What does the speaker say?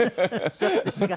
そうですか。